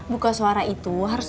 buku suara itu harus